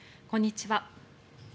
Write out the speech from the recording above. こんにちは。